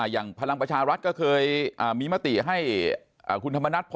อย่างพลังประชารัฐก็เคยมีมติให้คุณธรรมนัฐ